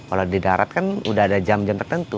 kalau di darat kan udah ada jam jam tertentu